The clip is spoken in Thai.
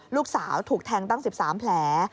ลูกสาวถูกแทงตั้ง๑๓แผล